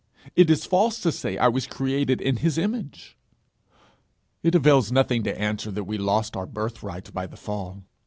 It is false to say I was created in his image! 'It avails nothing to answer that we lost our birthright by the fall.